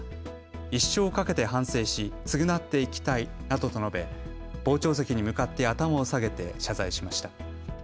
一生かけて反省し償っていきたいなどと述べ、傍聴席に向かって頭を下げて謝罪しました。